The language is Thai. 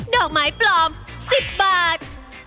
ดอกไม้ปลอม๑๐บาท